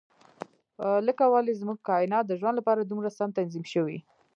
لکه ولې زموږ کاینات د ژوند لپاره دومره سم تنظیم شوي.